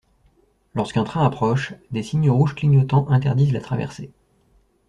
Lorsqu'un train approche, des signaux rouges clignotants interdisent la traversée.